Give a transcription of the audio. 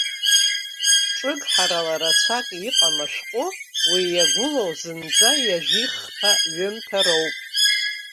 Ҿыгҳарала рацәак иҟам ашәҟәы, уи иагәылоу зынӡа ҩажәи хԥа ҩымҭа роуп.